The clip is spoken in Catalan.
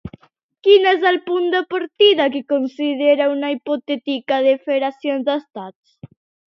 Quin és el punt de partida que considera en una hipotètica federació d'estats?